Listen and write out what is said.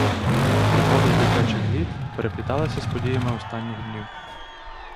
Пригоди з дитячих літ перепліталися з подіями останніх днів.